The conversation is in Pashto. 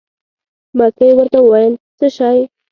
مکۍ ورته وویل: څه شی.